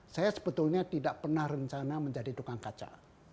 saya sebetulnya tidak pernah rencana menjadi tukang kaca